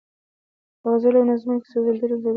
په غزلو او نظمو کې سولیدلي انځورونه